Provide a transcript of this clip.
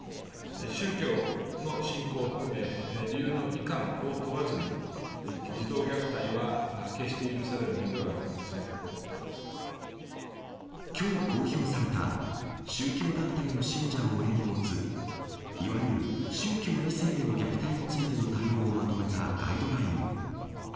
宗教の信仰を含め、理由のいかんを問わずに、児童虐待は決して許きょう公表された、宗教団体の信者を親に持つ、いわゆる宗教２世への虐待についての対応をまとめたガイドライン。